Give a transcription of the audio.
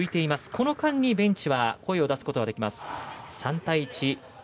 この間にベンチは声を出すことができます。